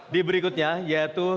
di berikutnya yaitu